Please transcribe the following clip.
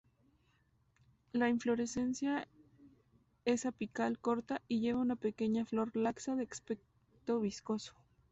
La inflorescencia es apical, corta, y lleva una pequeña flor laxa de aspecto vistoso.